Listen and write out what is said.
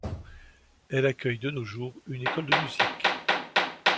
Elle accueille de nos jours une école de musique.